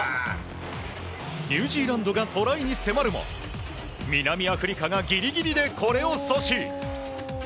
ニュージーランドがトライに迫るも南アフリカがギリギリでこれを阻止！